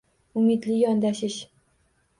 Umidli yondashish